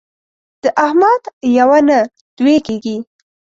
د احمد یوه نه دوې کېږي.